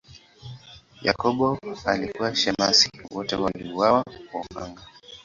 Yakobo alikuwa shemasi, wote waliuawa kwa upanga.